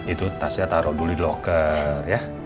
itu tasnya taruh dulu di locker ya